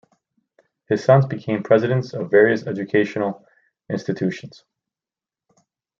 His sons became presidents of various educational institutions.